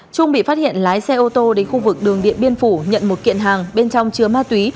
trung bị phát hiện lái xe ô tô đến khu vực đường điện biên phủ nhận một kiện hàng bên trong chứa ma túy